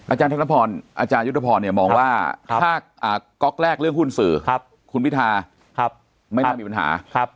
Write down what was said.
อาจารย์ธรรมพรอาจารย์ธรรมพรเนี่ยมองว่าถ้าก๊อกแรกเรื่องหุ้นสื่อคุณวิทาไม่น่ามีปัญหา